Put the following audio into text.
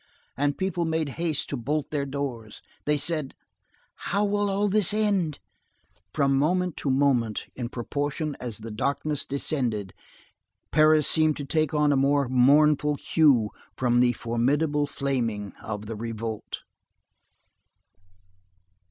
And people made haste to bolt their doors. They said: "How will all this end?" From moment to moment, in proportion as the darkness descended, Paris seemed to take on a more mournful hue from the formidable flaming of the revolt.